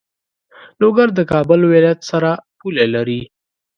لوګر د کابل ولایت سره پوله لری.